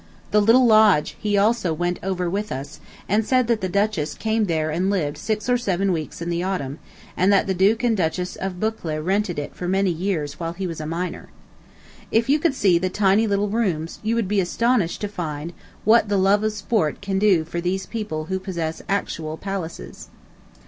The little lodge he also went over with us, and said that the Duchess came there and lived six or seven weeks in the autumn, and that the Duke and Duchess of Buccleuch rented it for many years while he was a minor. If you could see the tiny little rooms, you would be astonished to find what the love of sport can do for these people who possess actual palaces.